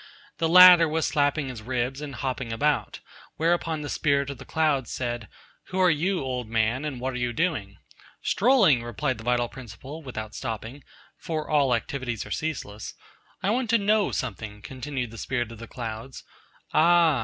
The latter was slapping his ribs and hopping about: whereupon the Spirit of the Clouds said, 'Who are you, old man, and what are you doing?' 'Strolling!' replied the Vital Principle, without stopping, for all activities are ceaseless. 'I want to know something,' continued the Spirit of the Clouds. 'Ah!'